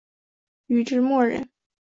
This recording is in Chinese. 禹之谟人。